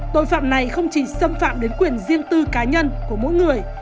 tội phạm này không chỉ xâm phạm đến quyền riêng tư cá nhân của mỗi người